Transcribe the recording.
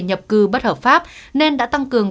nhập cư bất hợp pháp nên đã tăng cường